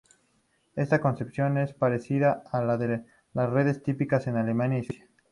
Esta concepción es parecida a la de las redes típicas en Alemania y Suiza.